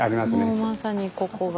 もうまさにここが。